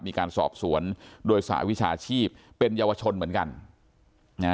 มีการสอบสวนโดยสหวิชาชีพเป็นเยาวชนเหมือนกันนะฮะ